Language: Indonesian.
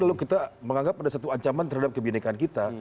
lalu kita menganggap ada satu ancaman terhadap kebenekaan kita